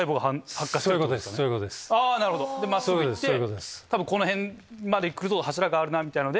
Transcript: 真っすぐ行ってこの辺まで行くと柱があるなみたいので。